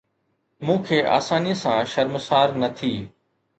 مون کي آساني سان شرمسار نه ٿي